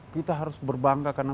kita harus berbangga karena